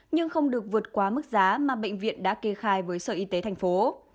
nhưng không được vượt quá mức giá mà bệnh viện đã kê khai với sở y tế thành phố